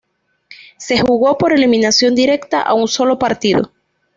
Se jugó por eliminación directa a un solo partido.